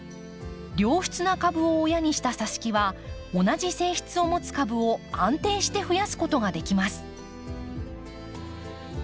良質な株を親にしたさし木は同じ性質を持つ株を安定して増やすことができます。